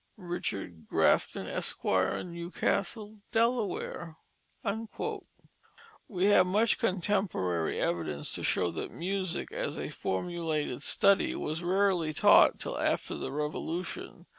"RCHD GRAFTON, ESQ., New Castle, Delaware." We have much contemporary evidence to show that music, as a formulated study, was rarely taught till after the Revolution.